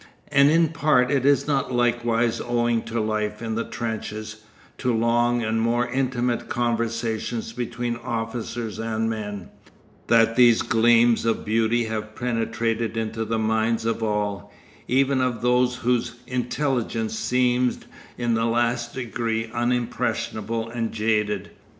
And in part is it not likewise owing to life in the trenches, to long and more intimate conversations between officers and men, that these gleams of beauty have penetrated into the minds of all, even of those whose intelligence seemed in the last degree unimpressionable and jaded.